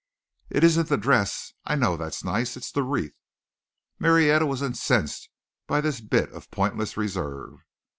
"It isn't the dress. I know that's nice. It's the wreath." Marietta was incensed by this bit of pointless reserve.